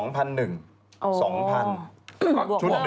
ใบเท่าไหร่คะ